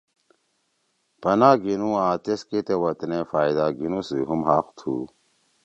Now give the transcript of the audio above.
پناہ گِھینوآں تِسکے تے وطنے فائدہ گِھینُو سی ہُم حق تُھو۔